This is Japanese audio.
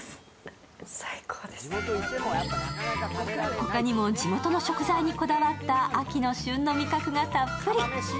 他にも地元の食材にこだわった秋の旬の味覚がたっぷり。